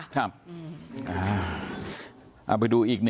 ครับ